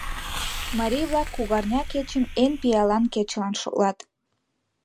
Марий-влак кугарня кечым эн пиалан кечылан шотлат.